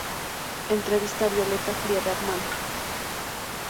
Entrevista a Violeta Friedman.